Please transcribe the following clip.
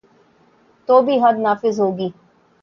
تو بھی حد نافذ ہو گی۔